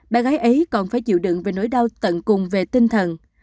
bạn gái ấy còn phải chịu đựng về nỗi đau tận cùng về tinh thần